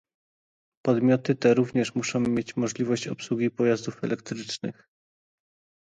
Podmioty te również muszą mieć możliwość obsługi pojazdów elektrycznych